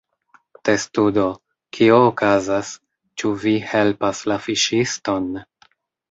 Testudo: "Kio okazas? Ĉu vi helpas la fiŝiston?"